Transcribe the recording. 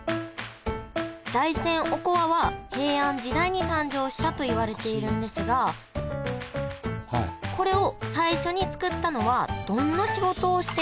大山おこわは平安時代に誕生したといわれているんですがこれを最初に作ったのはどんな仕事をしていた方でしょうか？